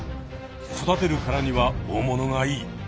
育てるからには大物がいい。